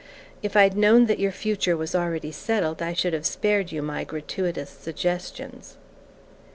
"If I'd known that your future was already settled I should have spared you my gratuitous suggestions."